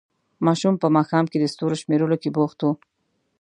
ماشوم په ماښام کې د ستورو شمېرلو کې بوخت وو.